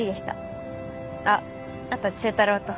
あっあと忠太郎と。